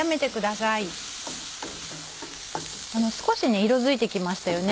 少し色づいて来ましたよね。